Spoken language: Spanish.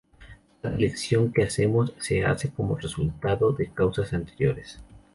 Cada elección que hacemos se hace como resultado de causas anteriores.